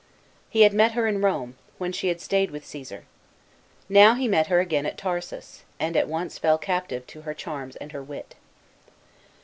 He had met her in Rome, when she had stayed with Csesar. Now he met her again at Tarsus, and at once fell captive to her charms and her wit.